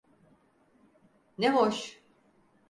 Ne hoş.